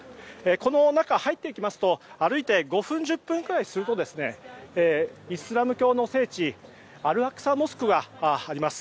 この中、入っていきますと歩いて５分、１０分くらいするとイスラム教の聖地アルアクサ・モスクがあります。